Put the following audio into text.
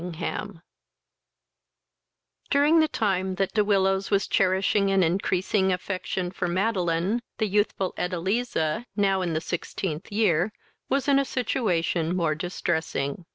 III During the time that De Willows was cherishing an increasing affection for Madeline, the youthful Edeliza, now in the sixteenth year, was in a situation more distressing.